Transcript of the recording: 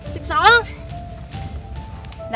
สิบสอง